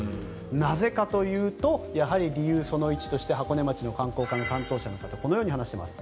なぜかというとやはり理由その１として箱根町の観光課の担当者の方はこのように話しています。